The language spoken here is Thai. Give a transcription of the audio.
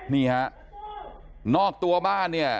นี่ฮะนอกตัวบ้านเนี่ย